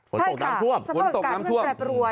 ฝนตกน้ำทวม